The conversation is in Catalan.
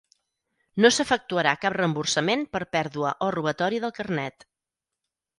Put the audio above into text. No s'efectuarà cap reemborsament per pèrdua o robatori del carnet.